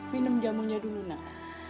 minum jamurnya dulu nak